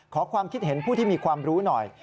ขอความคิดเห็นผู้ที่มีความรู้หน่อย